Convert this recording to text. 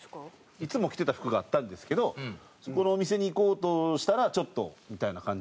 いつも着てた服があったんですけどそこのお店に行こうとしたら「ちょっと」みたいな感じでしたね。